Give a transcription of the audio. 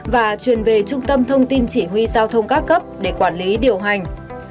và truyền về trung tâm thông tin chỉ huy giao thông các cấp để quản lý điều hành